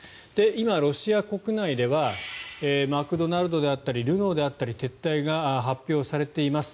今、ロシア国内ではマクドナルドであったりルノーであったり撤退が発表されています。